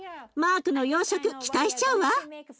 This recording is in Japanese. マークの洋食期待しちゃうわ！